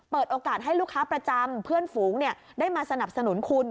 เปิดโอกาสให้ลูกค้าประจำเพื่อนฝูงได้มาสนับสนุนคุณ